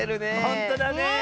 ほんとだね。